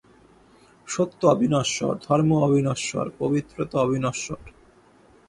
সত্য অবিনশ্বর, ধর্ম অবিনশ্বর, পবিত্রতা অবিনশ্বর।